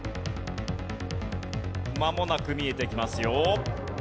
まもなく見えてきますよ。